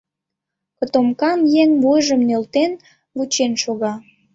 Котомкан еҥ, вуйжым нӧлтен, вучен шога.